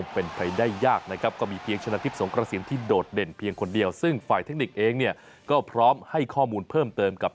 หลังจากนี้ต่อไปครับ